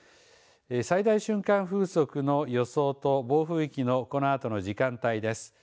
最大瞬間風速の予想と暴風域のこのあとの時間帯です。